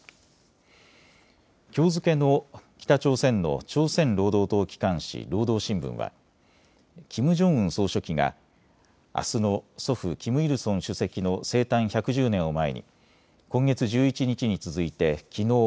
きょう付けの北朝鮮の朝鮮労働党機関紙、労働新聞は、キム・ジョンウン総書記があすの祖父、キム・イルソン主席の生誕１１０年を前に今月１１日に続いてきのう